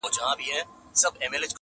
یوه بل ته یې کتل دواړه حیران سول،